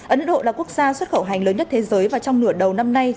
ấn độ là quốc gia xuất khẩu hành lớn nhất thế giới và trong nửa đầu năm nay